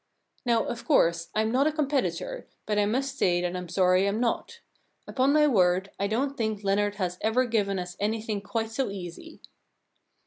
" Now, of course, Fm not a competitor, but I must say that Fm sorry Fm not. Upon my word, I don't think Leonard has ever given us anything quite so easy.'